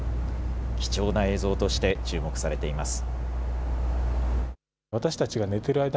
貴重な映像として注目されています。